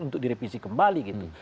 untuk direvisi kembali gitu